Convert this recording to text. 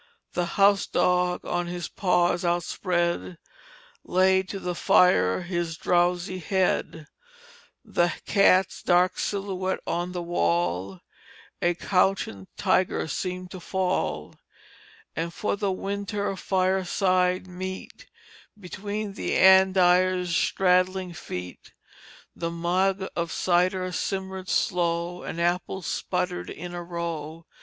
The house dog on his paws outspread Laid to the fire his drowsy head, The cat's dark silhouette on the wall A couchant tiger's seemed to fall; And, for the winter fireside meet, Between the andirons' straddling feet The mug of cider simmered slow, And apples sputtered in a row.